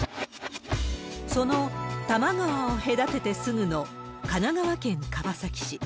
その多摩川を隔ててすぐの神奈川県川崎市。